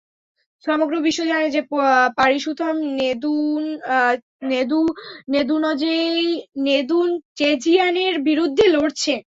সমগ্র বিশ্ব জানে যে পারিসুথাম নেদুনচেজিয়ানের বিরুদ্ধে লড়ছে।